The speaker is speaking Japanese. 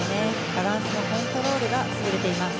バランスのコントロールが優れています。